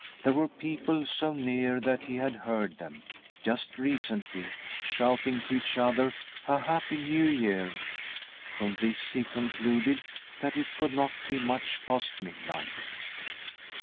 There were people so near that he had heard them, just recently, shouting to each other "A happy New Year." From this he concluded that it could not be .much past midnight.